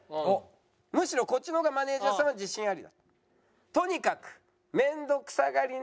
むしろこっちの方がマネージャーさんは自信あり。